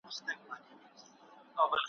زما بچي مي زه پخپله لویومه .